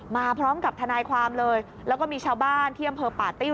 มาพร้อมกับทนายความเลยแล้วก็มีชาวบ้านที่อำเภอป่าติ้ว